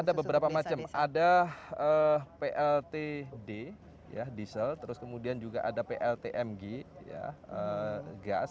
ada beberapa macam ada pltd diesel terus kemudian juga ada pltmg gas